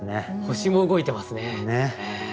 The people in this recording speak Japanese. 星も動いてますね。